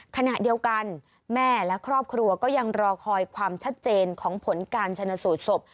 ขณะเดียวกันแม่และครอบครัวก็ยังรอคอยความชัดเจนของผลการชนสูตรศพ